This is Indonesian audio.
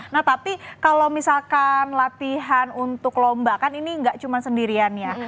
nah tapi kalau misalkan latihan untuk lomba kan ini nggak cuma sendirian ya